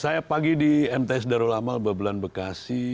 saya pagi di mts darul amal babelan bekasi